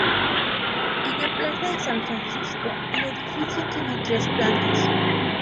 En la plaza de San Francisco el edificio tiene tres plantas.